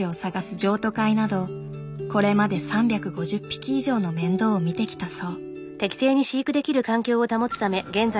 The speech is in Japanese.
譲渡会などこれまで３５０匹以上の面倒を見てきたそう。